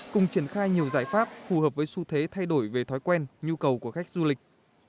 cùng triển khai nhiều giải pháp phù hợp với xu thế thay đổi về thói quen nhu cầu của khách du lịch